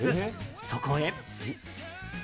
そこへ。